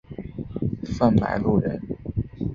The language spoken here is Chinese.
范百禄人。